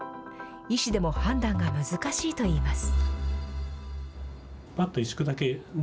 医師でも判断が難しいといいます。